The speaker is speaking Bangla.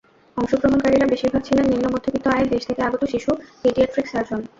অংশগ্রহণকারীরা বেশিরভাগ ছিলেন নিন্মমধ্যবিত্ত আয়ের দেশ থেকে আগত শিশু পেডিয়াট্রিক সার্জন।